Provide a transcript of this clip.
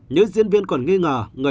những diễn viên còn nghi ngờ